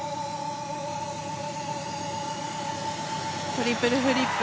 トリプルフリップ。